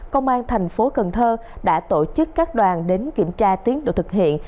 công an thành phố cần thơ đã tổ chức các đoàn đến kiểm tra tiến độ thực hiện